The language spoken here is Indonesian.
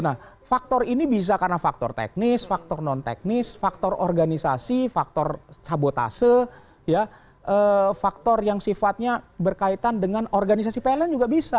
nah faktor ini bisa karena faktor teknis faktor non teknis faktor organisasi faktor sabotase faktor yang sifatnya berkaitan dengan organisasi pln juga bisa